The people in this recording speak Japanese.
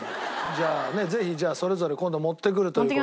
じゃあねぜひそれぞれ今度持ってくるという事で。